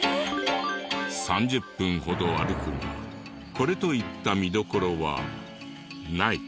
３０分ほど歩くがこれといった見どころはない。